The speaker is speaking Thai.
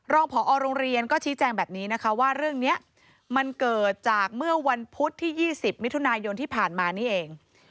ผอโรงเรียนก็ชี้แจงแบบนี้นะคะว่าเรื่องนี้มันเกิดจากเมื่อวันพุธที่๒๐มิถุนายนที่ผ่านมานี่เอง